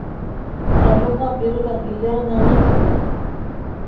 — Ә йоҡлап йөрөгән өйҙәренә ни булды?